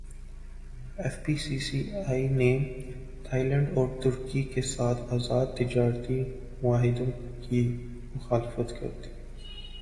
F P C C I نے Thailand اور ترکی کیساتھ ازاد تجارتی معاہدوں کی مخالفت کردی